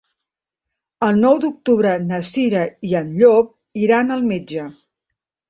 El nou d'octubre na Cira i en Llop iran al metge.